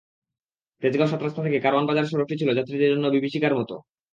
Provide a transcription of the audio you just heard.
তেজগাঁও সাতরাস্তা থেকে কারওয়ান বাজার সড়কটি ছিল যাত্রীদের জন্য বিভীষিকার মতো।